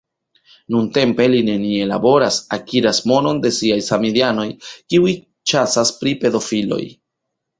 Nuntempe li nenie laboras, akiras monon de siaj samideanoj, kiuj ĉasas pri pedofiloj.